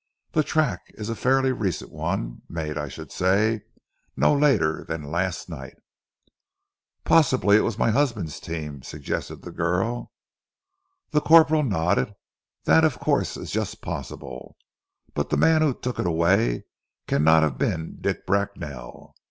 The track is a fairly recent one, made, I should say, no later than last night." "Possibly it was my husband's team," suggested the girl. The corporal nodded. "That of course is just possible, but the man who took it away cannot have been Dick Bracknell.